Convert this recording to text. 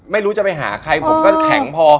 ไม่รู้จะไปหาใครผมก็แข็งพอ